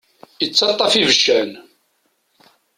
Ittaṭṭaf ibeccan.